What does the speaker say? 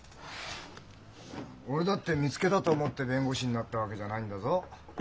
俺だって見つけたと思って弁護士になったわけじゃないんだぞ。